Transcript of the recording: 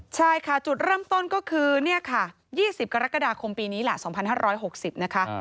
ใช่ค่ะจุดเริ่มต้นก็คือเนี่ยค่ะ๒๐กรกฎาคมปีนี้แหละ๒๕๖๐นะคะ